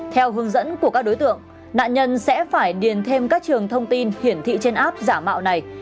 theo hướng dẫn của các đối tượng nạn nhân sẽ phải điền thêm các trường thông tin hiển thị trên app giả mạo này